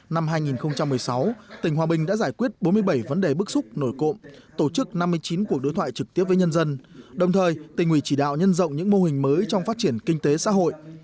năm hai nghìn một mươi sáu tỉnh hòa bình đã giải quyết bốn mươi bảy vấn đề bức xúc nổi cộm tổ chức năm mươi chín cuộc đối thoại trực tiếp với nhân dân đồng thời tỉnh ủy chỉ đạo nhân rộng những mô hình mới trong phát triển kinh tế xã hội